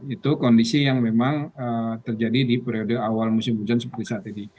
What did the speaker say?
itu kondisi yang memang terjadi di periode awal musim hujan seperti saat ini